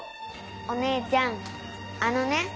お姉ちゃんあのね。